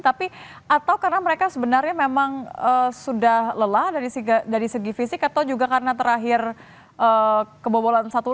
tapi atau karena mereka sebenarnya memang sudah lelah dari segi fisik atau juga karena terakhir kebobolan satu